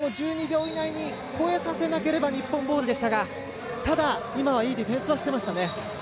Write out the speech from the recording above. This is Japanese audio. センターラインを１２秒以内に越えさせなければ日本ボールでしたがただ、今はいいディフェンスをしていました。